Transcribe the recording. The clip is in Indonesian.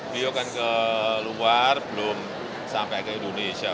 beliau kan ke luar belum sampai ke indonesia